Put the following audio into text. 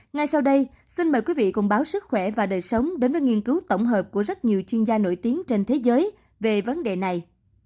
ngay sau đây xin mời quý vị cùng báo sức khỏe và đời sống đến với nghiên cứu tổng hợp của rất nhiều chuyên gia nổi tiếng trên thế giới về vấn đề này